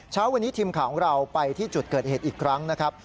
เช้าวันนี้ทีมข่าวของเราไปที่จุดเกิดเหตุอีกครั้งนะครับ